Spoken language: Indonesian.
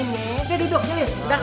udah duduk jelas